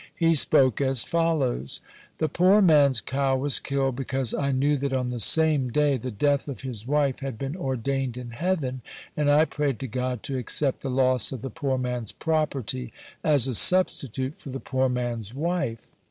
He spoke as follows: "The poor man's cow was killed, because I knew that on the same day the death of his wife had been ordained in heaven, and I prayed to God to accept the loss of the poor man's property as a substitute for the poor man's wife.